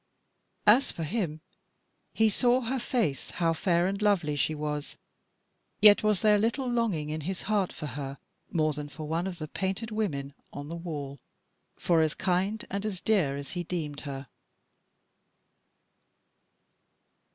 As for him, he saw her face how fair and lovely she was, yet was there little longing in his heart for her, more than for one of the painted women on the wall, for as kind and as dear as he deemed her.